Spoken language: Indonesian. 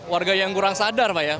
warga yang kurang sadar pak ya